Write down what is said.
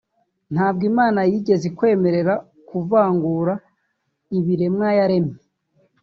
ntabwo Imana yigeze ikwemerera kuvangura ibiremwa yaremye